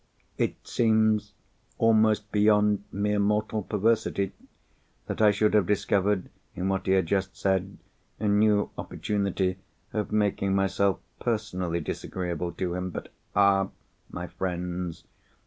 It seems almost beyond mere mortal perversity that I should have discovered, in what he had just said, a new opportunity of making myself personally disagreeable to him. But—ah, my friends!